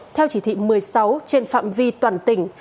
theo chỉ thị một mươi sáu trên phạm vi toàn tỉnh